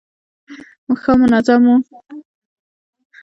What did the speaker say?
ښار منظم و.